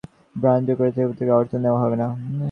Brand ও ক্রেতাপ্রতিষ্ঠান থেকে অর্থ নেওয়া হবে না।